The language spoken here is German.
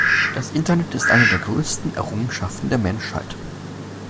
Das Internet ist eine der größten Errungenschaften der Menschheit.